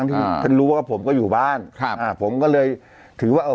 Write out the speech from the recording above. ที่ท่านรู้ว่าผมก็อยู่บ้านครับอ่าผมก็เลยถือว่าเอ่อ